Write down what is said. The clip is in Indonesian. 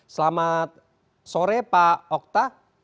selamat sore pak okta